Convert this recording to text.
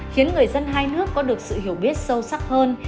khiến người dân hai nước có được sự hiểu biết sâu sắc hơn